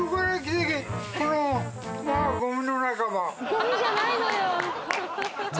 ゴミじゃないのよ。